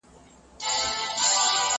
اوس لا ژاړې له آسمانه له قسمته .